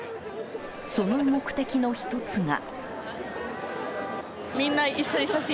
その目的の１つが。